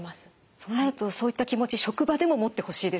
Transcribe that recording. そうなるとそういった気持ち職場でも持ってほしいですよね。